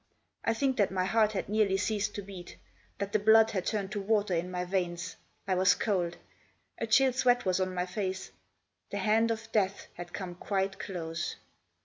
I think that my heart had nearly ceased to beat ; that the blood had turned to water in my veins. I was cold ; a chill sweat was on my face. The hand of death had come quite close.